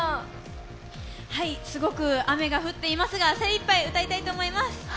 すごく雨が降っていますが、精いっぱい歌いたいと思います。